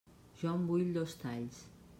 Jo en vull dos talls.